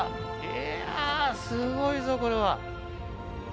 いやあ、すごいぞこれは。